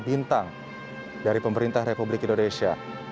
bintang dari pemerintah republik indonesia bintang bintang yang diberikan di antara